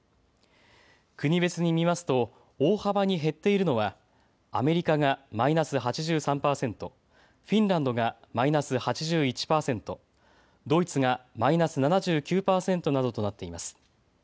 国別に見ますと大幅に減っているのはアメリカがマイナス８３％、フィンランドがマイナス８１％、ドイツがマイナス７９％などとなっています。